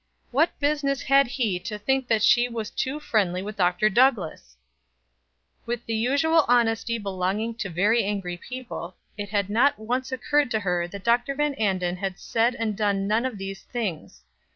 What business had he to think that she was too friendly with Dr. Douglass! With the usual honesty belonging to very angry people, it had not once occurred to her that Dr. Van Anden had said and done none of these things.